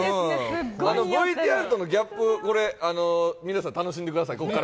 ＶＴＲとのギャップ、皆さん楽しんでください。